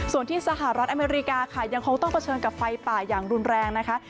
ส่วนที่สหรัฐอเมริกาค่ะยังคงต้องเผชิญกับไฟป่าอย่างรุนแรงนะคะ